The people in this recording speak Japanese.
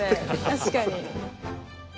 確かに。